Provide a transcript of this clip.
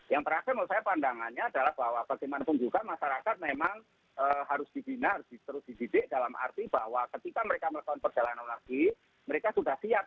yang terakhir menurut saya pandangannya adalah bahwa bagaimanapun juga masyarakat memang harus dibina harus terus dididik dalam arti bahwa ketika mereka melakukan perjalanan lagi mereka sudah siap